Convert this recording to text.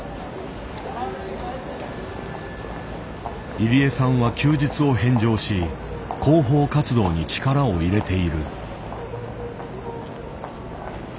入江さんは休日を返上し広報活動に力を入れている。